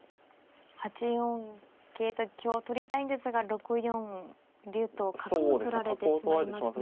８四桂と香を取りたいんですが６四竜と角を取られてしまいますね。